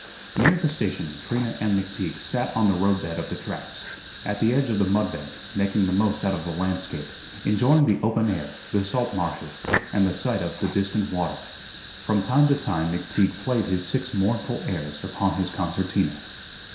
Near the station Trina and McTeague sat on the roadbed of the tracks, at the edge of the mud bank, making the most out of the landscape, enjoying the open air, the salt marshes, and the sight of the distant water. From time to time McTeague played his six mournful airs upon his concertina.